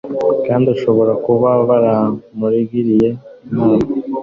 kandi bashobora kuba baranamugiriye inama